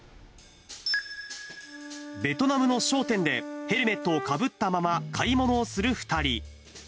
ベトナムの商店で、ヘルメットをかぶったまま買い物をする２人。